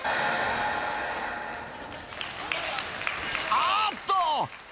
ああっと！